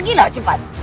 pergi lah cepat